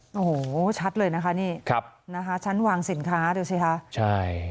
โอ้โฮชัดเลยนะครับชั้นวางสินค้าดูสีฮะ